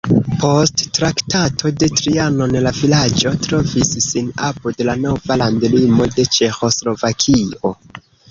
Post Traktato de Trianon la vilaĝo trovis sin apud la nova landlimo de Ĉeĥoslovakio.